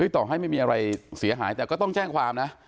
ต่อให้ไม่มีอะไรเสียหายแต่ก็ต้องแจ้งความนะ